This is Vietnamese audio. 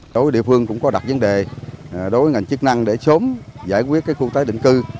đối với địa phương cũng có đặt vấn đề đối với ngành chức năng để sớm giải quyết khu tái định cư